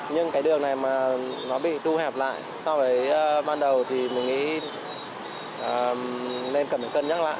nhưng cái đường này mà nó bị thu hẹp lại so với ban đầu thì mình nghĩ nên cẩn thận cân nhắc lại